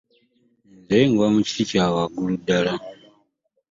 Nze ngwa mu kiti kya waggulu ddala.